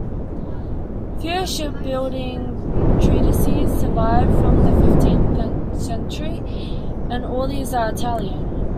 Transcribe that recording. Few shipbuilding treatises survive from the fifteenth century, and all these are Italian.